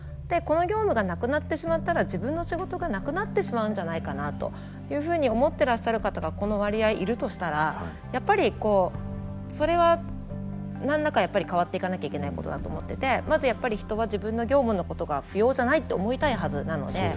でこの業務がなくなってしまったら自分の仕事がなくなってしまうんじゃないかなというふうに思ってらっしゃる方がこの割合いるとしたらやっぱりそれは何らかやっぱり変わっていかなきゃいけないことだと思っててまずやっぱり人は自分の業務のことが不要じゃないって思いたいはずなので。